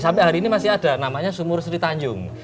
sampai hari ini masih ada namanya sumur sri tanjung